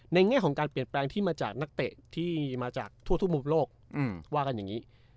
แง่ของการเปลี่ยนแปลงที่มาจากนักเตะที่มาจากทั่วทุกมุมโลกว่ากันอย่างนี้